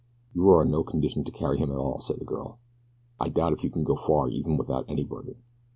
"You are in no condition to carry him at all," said the girl. "I doubt if you can go far even without any burden."